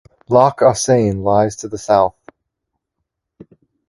Loch Ossian lies to the south.